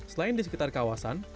selain di sekitar kawasan